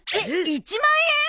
１万円！？